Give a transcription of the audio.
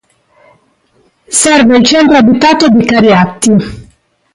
Serve il centro abitato di Cariati.